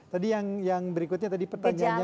tadi yang berikutnya tadi pertanyaannya